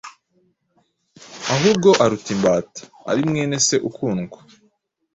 ahubwo aruta imbata, ari mwene Se ukundwa.